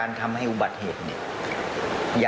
มันมีโอกาสเกิดอุบัติเหตุได้นะครับ